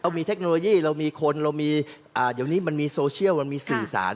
มีเทคโนโลยีเรามีคนเรามีเดี๋ยวนี้มันมีโซเชียลมันมีสื่อสาร